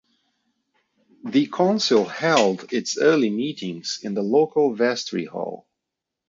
The council held its early meetings in the local vestry hall.